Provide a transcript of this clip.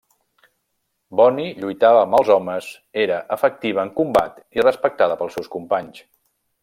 Bonny lluitava amb els homes, era efectiva en combat i respectada pels seus companys.